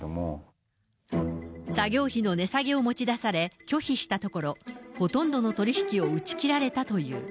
作業費の値下げを持ち出され、拒否したところ、ほとんどの取り引きを打ち切られたという。